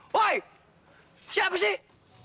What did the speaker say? woy siapa sih